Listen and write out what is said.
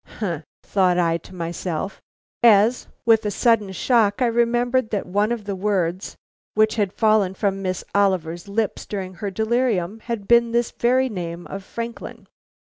"Humph!" thought I to myself, as with a sudden shock I remembered that one of the words which had fallen from Miss Oliver's lips during her delirium had been this very name of Franklin.